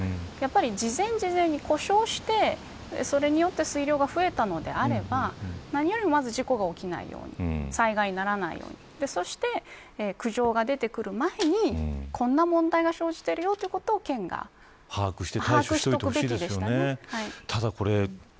事前に故障してそれによって水量が増えたのであれば何よりも、まず事故が起きないように災害が起きないようにそして苦情が出てくる前にこのような問題が生じているよということを県が把握しておくべきでした。